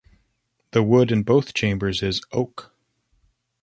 The wood in both chambers is oak.